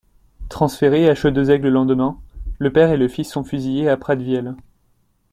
Transférés à Chaudes-Aigues le lendemain, le père et le fils sont fusillés à Pratviel.